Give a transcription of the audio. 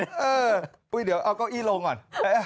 เออปุ้ยเดี๋ยวเอาเก้าอี้ลงก่อน